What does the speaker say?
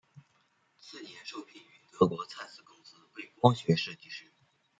次年受聘于德国蔡司公司为光学设计师。